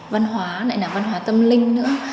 văn hóa lại là văn hóa tâm linh nữa